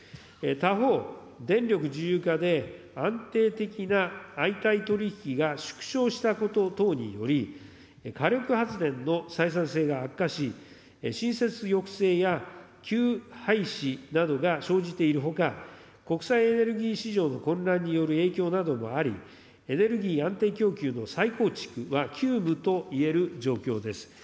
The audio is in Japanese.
他方、電力自由化で安定的な相対取り引きが縮小したこと等により、火力発電の採算性が悪化し、しんせつ抑制や、休廃止などが生じているほか、国際エネルギー市場の混乱による影響などもあり、エネルギー安定供給の再構築は急務といえる状況です。